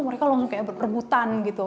mereka langsung kayak perebutan gitu